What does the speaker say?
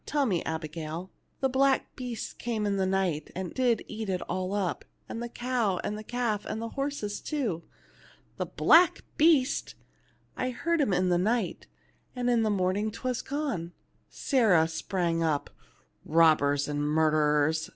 Tell me, Abigail." "The black beast came in the night and did eat it all up, and the cow, and calf, and the horses, too." " The black beast !"" I heard him in the night, and in the morning 'twas ŌĆö gone." Sarah sprang up. " Bobbers and murderers